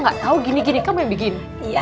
gak tahu gini gini kamu yang begini